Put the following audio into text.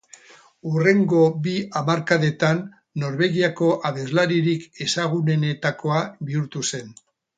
Hurrengo bi hamarkadetan Norvegiako abeslaririk ezagunenetakoa bihurtu zen.